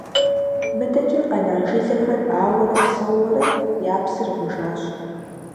МыдэкӀэ къэна жылэхэр ауэрэ псэуурэ, я псыр гъужащ.